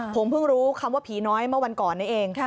ผมเพิ่งรู้คำว่าผีน้อยเมื่อวันก่อนนี้เอง